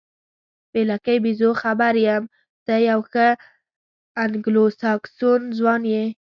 بې لکۍ بیزو، خبر یم، ته یو ښه انګلوساکسون ځوان یې.